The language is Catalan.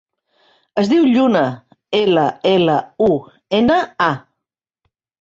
Es diu Lluna: ela, ela, u, ena, a.